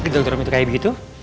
gedung terum itu kayak begitu